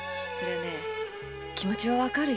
気持ちはわかるよ